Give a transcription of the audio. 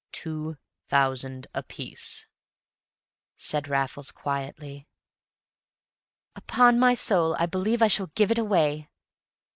"Two thousand apiece," said Raffles, quietly. "Upon my soul I believe I shall give it away!"